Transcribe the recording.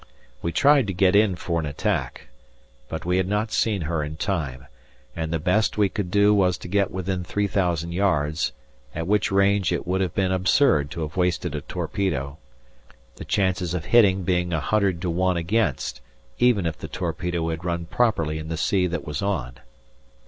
We tried to get in for an attack, but we had not seen her in time, and the best we could do was to get within 3,000 yards, at which range it would have been absurd to have wasted a torpedo, the chances of hitting being 100 to 1 against, even if the torpedo had run properly in the sea that was on.